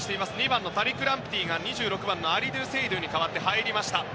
２番のタリク・ランプティが２６番、アリドゥ・セイドゥに代わって入りました。